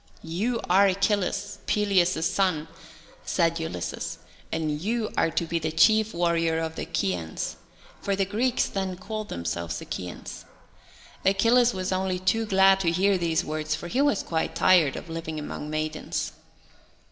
"You are Achilles, Peleus' son!" said Ulysses; "and you are to be the chief warrior of the Achaeans," for the Greeks then called themselves Achaeans. Achilles was only too glad to hear these words, for he was quite tired of living among maidens.